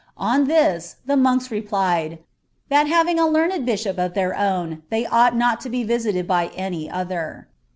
'" On this, the monks nplml, '* ihnt having a learned bishop of their own, they ought not lo be THtlrd bv any other.